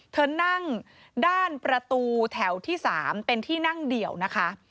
เธอนั่งด้านประตูแถวที่๓เป็นที่นั่งเดี่ยวนะคะ